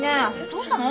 どうしたの？